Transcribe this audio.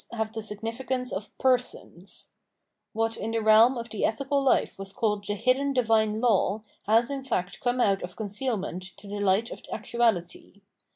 have the significance of Persons, What in the realm of the ethical hfe was called the hidden divine law has in fact come out of concealment to the fight of actuality.